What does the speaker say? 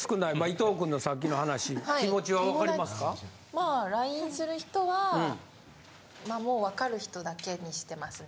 まあＬＩＮＥする人はもうわかる人だけにしてますね。